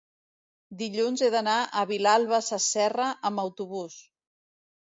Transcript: dilluns he d'anar a Vilalba Sasserra amb autobús.